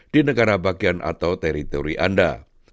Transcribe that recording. di negara bagian atau teritori anda